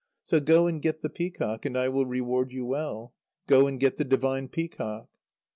So go and get the peacock, and I will reward you well. Go and get the divine peacock!"